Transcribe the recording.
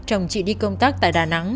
chồng chị đi công tác tại đà nẵng